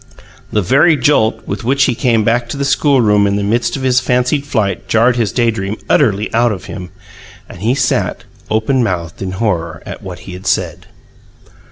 The very jolt with which he came back to the schoolroom in the midst of his fancied flight jarred his day dream utterly out of him; and he sat, open mouthed in horror at what he had said.